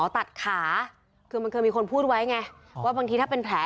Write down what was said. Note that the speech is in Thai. ตัดขาคือมันเคยมีคนพูดไว้ไงว่าบางทีถ้าเป็นแผล